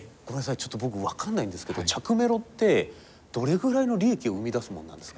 ちょっと僕分かんないんですけど着メロってどれぐらいの利益を生み出すもんなんですか？